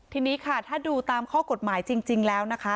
ทีนี้ค่ะถ้าดูตามข้อกฎหมายจริงแล้วนะคะ